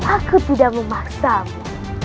aku tidak memaksamu